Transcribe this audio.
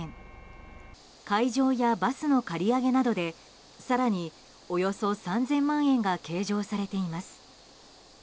会場やバスの借り上げなどで更に、およそ３０００万円が計上されています。